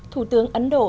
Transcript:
thủ tướng ấn độ